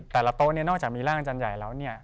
แต่ละโต๊ะนี้นอกจากมีร่างอาจารย์ใหญ่แล้ว